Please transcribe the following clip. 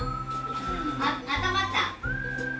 あったまった？